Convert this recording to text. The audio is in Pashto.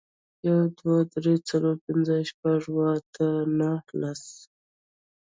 یو, دوه, درې, څلور, پنځه, شپږ, اووه, اته, نهه, لس